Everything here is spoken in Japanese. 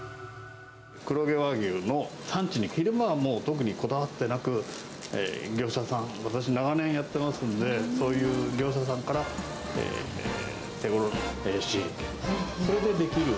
黒毛和牛の産地に、昼間は特にこだわってなく、業者さん、私、長年やってますんで、そういう業者さんから、手ごろに仕入れてる。